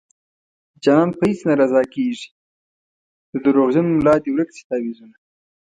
جانان په هيڅ نه رضا کيږي د دروغجن ملا دې ورک شي تعويذونه